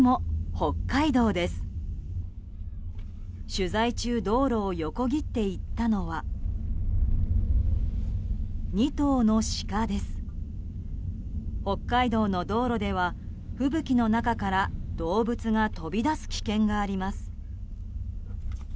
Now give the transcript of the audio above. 北海道の道路では吹雪の中から動物が飛び出す危険があります。